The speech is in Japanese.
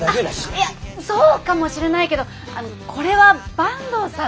いやそうかもしれないけどこれは坂東さんっていう。